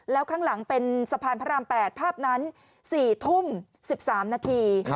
แล้วข้างหลังเป็นสะพานพระราม๘ภาพนั้น๔ทุ่ม๑๓นาที